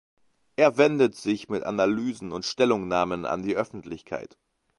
Er wendet sich mit Analysen und Stellungnahmen an die Öffentlichkeit.